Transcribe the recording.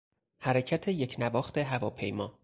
حرکت یکنواخت هواپیما